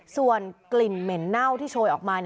ส่วนกลิ่นเหม็นเน่าที่โชยออกมา